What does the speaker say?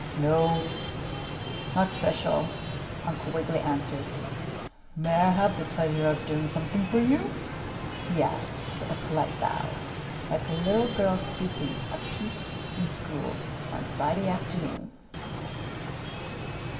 "No, not special," Uncle Wiggily answered. "May I have the pleasure of doing something for you?" he asked with a polite bow, like a little girl speaking a piece in school on Friday afternoon.